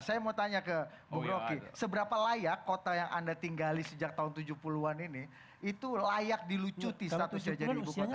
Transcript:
saya mau tanya ke bung rocky seberapa layak kota yang anda tinggali sejak tahun tujuh puluh an ini itu layak dilucuti statusnya jadi ibu kota